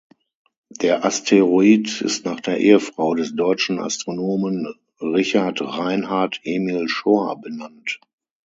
Der Asteroid ist nach der Ehefrau des deutschen Astronomen Richard Reinhard Emil Schorr benannt.